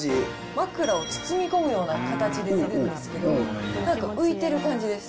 枕を包み込むような形で寝るんですけど何か浮いてる感じです。